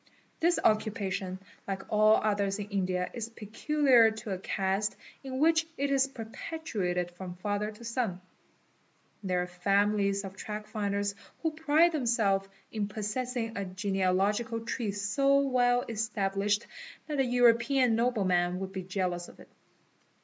This occupation like all others in India is peculiar to a caste in which it is perpetuated from father to son. There are families of " track finders'' who pride themselves in possess ing a genealogical tree so well established that a Kuropean nobleman would be jealous of it.